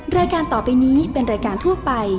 รายการต่อไปนี้เป็นรายการทั่วไป